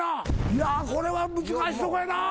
いやこれは難しいとこやな。